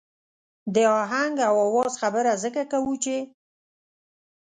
د آهنګ او آواز خبره ځکه کوو چې.